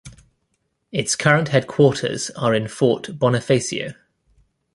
Its current headquarters are in Fort Bonifacio.